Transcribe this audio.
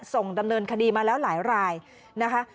ส่งดำเนินคดีมาแล้วหลายรายนะคะ